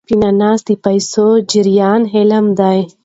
فینانس د پیسو د جریان علم دی.